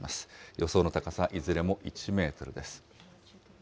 予想の高さ、いずれも１メートルです。